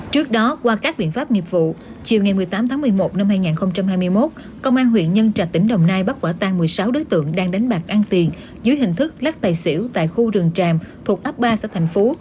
trước đó qua các biện pháp nghiệp vụ chiều ngày một mươi tám tháng một mươi một năm hai nghìn hai mươi một công an huyện nhân trạch tỉnh đồng nai bắt quả tang một mươi sáu đối tượng đang đánh bạc ăn tiền dưới hình thức lắc tài xỉu tại khu rừng tràm thuộc ấp ba xã thành phú